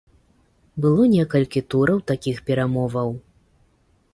Было некалькі тураў такіх перамоваў.